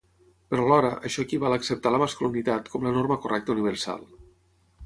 Però alhora, això equival a acceptar la masculinitat com la norma correcta universal.